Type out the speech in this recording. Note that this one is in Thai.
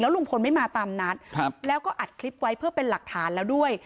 ลุงพลไม่มาตามนัดแล้วก็อัดคลิปไว้เพื่อเป็นหลักฐานแล้วด้วย